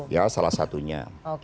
ya salah satunya